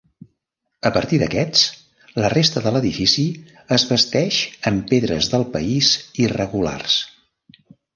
A partir d'aquests, la resta de l'edifici es basteix amb pedres del país irregulars.